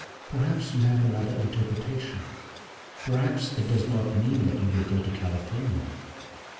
Perhaps you have another interpretation. Perhaps it does not mean that you will go to California.